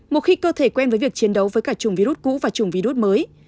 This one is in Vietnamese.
một khi cơ thể quen với việc chiến đấu với cả chủng virus cũ và chủng virus mới